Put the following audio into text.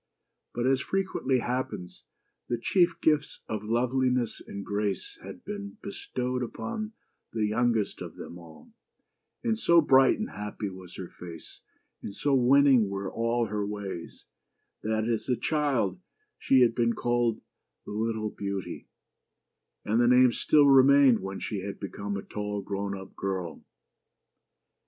But, as frequently happens, the chief gifts of loveliness and grace had been bestowed upon the youngest of them all ; and so bright and happy was her face, and so winning were all her ways, that, as a child, she had been called the " Little Beauty," and the name still remained when she had become a tall grown up girl.